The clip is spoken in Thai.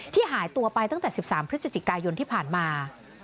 หายตัวไปตั้งแต่๑๓พฤศจิกายนที่ผ่านมา